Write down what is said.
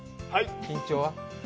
緊張は？